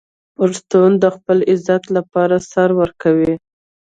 پښتون د خپل عزت لپاره سر ورکوي.